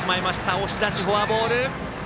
押し出し、フォアボール。